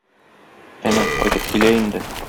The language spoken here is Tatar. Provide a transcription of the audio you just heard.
Әнә, кайтып килә инде.